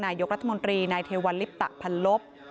นายกรัฐมนตรีนายเทวัลลิปตะพันลบ